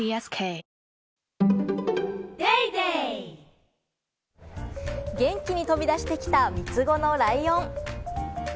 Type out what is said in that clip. ニトリ元気に飛び出してきた三つ子のライオン。